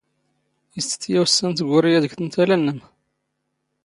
ⵉⵙ ⵜⴻⵜⵜⵢⴰⵡⵙⵙⴰⵏ ⵜⴳⵓⵔⵉ ⴰⴷ ⴳ ⵜⵏⵜⴰⵍⴰ ⵏⵏⵎ?